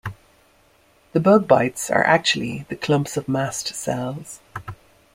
The bug bites are actually the clumps of mast cells.